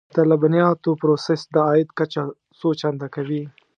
د لبنیاتو پروسس د عاید کچه څو چنده کوي.